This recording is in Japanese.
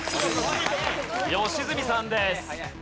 良純さんです。